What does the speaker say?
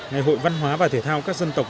ngày hội văn hóa và thể thao các dân tộc